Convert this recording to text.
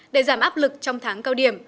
để giảm áp lực trong tháng cao điểm